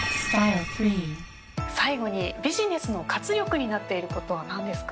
最後にビジネスの活力になっていることは何ですか？